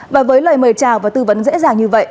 và với lời mời chào và tư vấn dễ dàng như vậy